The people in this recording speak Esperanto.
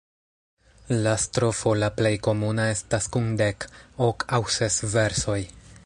La strofo la plej komuna estas kun dek, ok aŭ ses versoj.